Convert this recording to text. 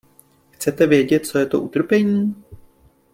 Chcete vědět, co je to utrpení?